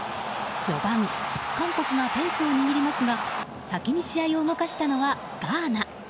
序盤、韓国がペースを握りますが先に試合を動かしたのはガーナ。